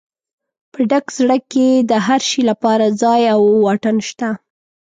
په ډک زړه کې د هر شي لپاره ځای او واټن شته.